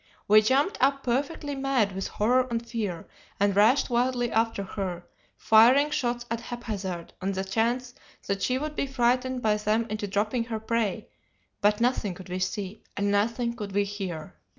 We jumped up perfectly mad with horror and fear, and rushed wildly after her, firing shots at haphazard on the chance that she would be frightened by them into dropping her prey, but nothing could we see, and nothing could we hear.